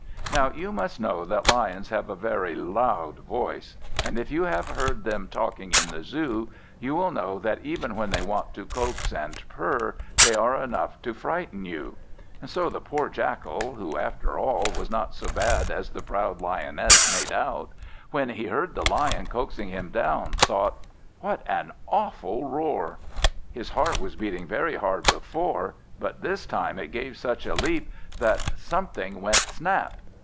Now you must know that Lions have a very loud voice, and, if you have heard them talking in the Zoo, you will know that even when they want to coax and purr they are enough to frighten you. And so the poor Jackal, who, after all, was not so bad as the proud Lioness made out, when he heard the Lion coaxing him down, thought "What an awful roar!" His heart was beating very hard before, but this time it gave such a leap that something went snap!